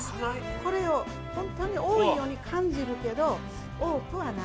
これを本当に多いように感じるけど多くはない。